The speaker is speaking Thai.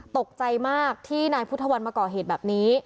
ตกใจมากที่นายพุทธวันมาก่อเหตุแบบนี้